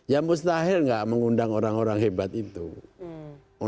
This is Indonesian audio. ya mustahil nggak mengundang orang orang hebat itu